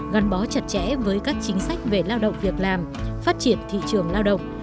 gắn bó chặt chẽ với các chính sách về lao động việc làm phát triển thị trường lao động